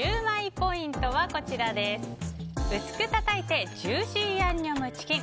ポイントは薄くたたいてジューシーヤンニョムチキン。